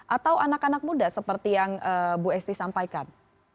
atau anak anak muda seperti yang bu esti sampaikan